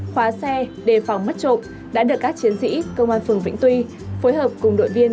khóa xe đề phòng mất trộm đã được các chiến sĩ công an phường vĩnh tuy phối hợp cùng đội viên